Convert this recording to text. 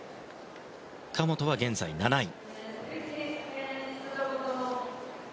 神本は現在７位。